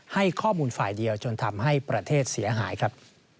ให้ข้อมูลฝ่ายเดียวจนทำให้ประเทศเสียหายครับ